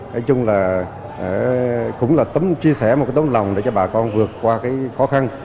nói chung là cũng là chia sẻ một tấm lòng để cho bà con vượt qua khó khăn